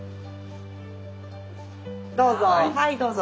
どうぞ。